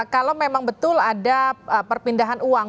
kalau memang betul ada perpindahan uang